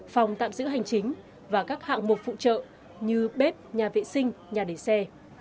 phòng tạm giữ hành chính và các hạng mục phụ trợ như bếp nhà vệ sinh nhà để xe